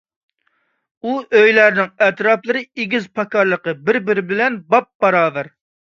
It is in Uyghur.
ئۇ ئۆيلەرنىڭ ئەتراپلىرى، ئېگىز - پاكارلىقى بىر - بىرى بىلەن بابباراۋەر.